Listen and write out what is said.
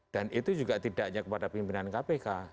dan itu juga tidaknya kepada pimpinan kpk